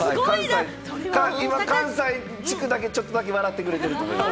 今、関西地区だけちょっと笑ってくれてると思います。